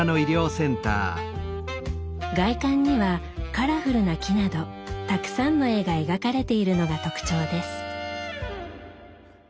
外観にはカラフルな木などたくさんの絵が描かれているのが特徴です。